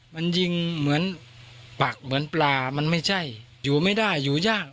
มันยิงเหมือนปักเหมือนปลามันไม่ใช่อยู่ไม่ได้อยู่ยาก